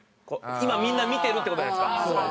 今みんな見てるっていう事じゃないですか。